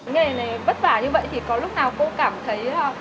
nghề này vất vả như vậy thì có lúc nào cô cảm thấy